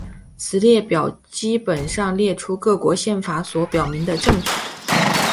此列表基本上列出各国宪法所表明的政体。